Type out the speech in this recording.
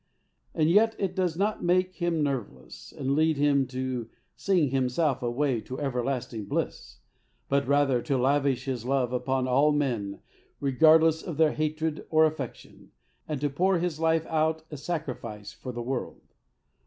And yet it does not make him nerveless, and lead him to "sing himself away to ever lasting bliss," but rather to lavish his love upon all men regardless of their hatred or affection, and to pour his life out a sacrifice for the world.